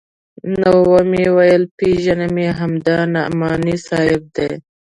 نو ومې ويل پېژنم يې همدا نعماني صاحب دى.